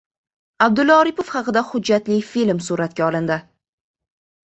Abdulla Oripov haqida hujjatli film suratga olindi